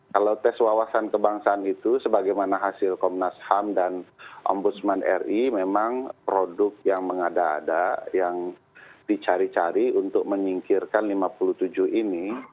kalau tes wawasan kebangsaan itu sebagaimana hasil komnas ham dan ombudsman ri memang produk yang mengada ada yang dicari cari untuk menyingkirkan lima puluh tujuh ini